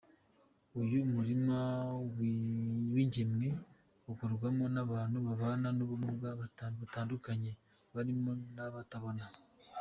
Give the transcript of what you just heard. Uyu murima w’ingemwe ukorwamo n’abantu babana n’ubumuga butandukanye barimo n’abatabona.